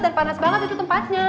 dan panas banget itu tempatnya